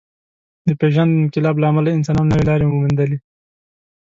د پېژاند انقلاب له امله انسانانو نوې لارې وموندلې.